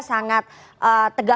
sangat tegak lurus dengan kultur budaya